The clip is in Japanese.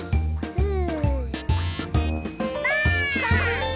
うん？